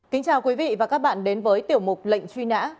kính chào quý vị và các bạn đến với tiểu mục lệnh truy nã